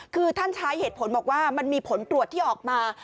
คือท่านใช้เหตุผลบอกว่ามันมีผลตรวจที่ออกมา